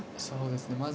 そうですね。